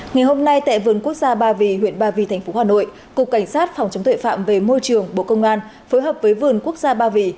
ngày hôm nay tại vườn quốc gia ba vì huyện ba vì thành phố hà nội cục cảnh sát phòng chống tuệ phạm về môi trường bộ công an phối hợp với vườn quốc gia ba vì